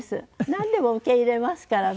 なんでも受け入れますからね。